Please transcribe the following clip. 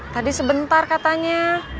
tadi sebentar katanya